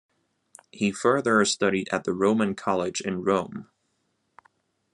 He further studied at the Roman College in Rome.